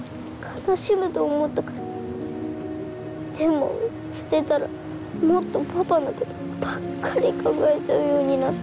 でも捨てたらもっとパパのことばっかり考えちゃうようになって。